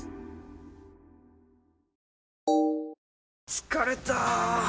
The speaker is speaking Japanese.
疲れた！